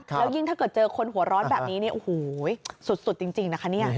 แล้วยิ่งถ้าเจอคนหัวร้อนแบบนี้สุดจริงนะคะ